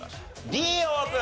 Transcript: Ｄオープン！